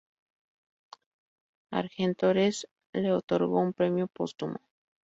Argentores le otorgó un premio póstumo.